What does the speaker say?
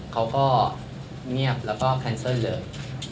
เขาก็เงียบแล้วก็แคนเซิลเลย